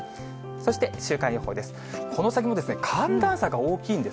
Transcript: そして週間予報です。